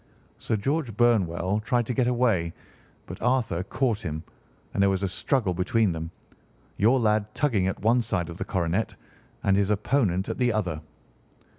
Sir George Burnwell tried to get away, but Arthur caught him, and there was a struggle between them, your lad tugging at one side of the coronet, and his opponent at the other.